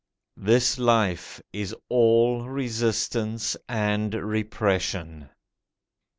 This life is all resistance and repression.